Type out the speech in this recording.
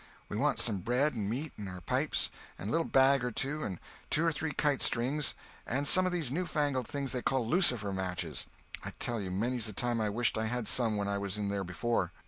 We want some bread and meat, and our pipes, and a little bag or two, and two or three kite strings, and some of these new fangled things they call lucifer matches. I tell you, many's the time I wished I had some when I was in there before."